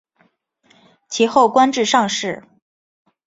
其后官至上士。